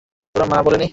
তোর মা বলেনি?